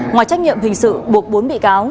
ngoài trách nhiệm hình sự buộc bốn bị cáo